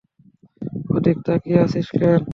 ওদিকে তাকিয়ে আছিস কেন?